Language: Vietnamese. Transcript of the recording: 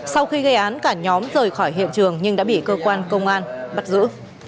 sau khi gây án cả nhóm rời khỏi hiện trường nhưng đã bị cơ quan công an bắt giữ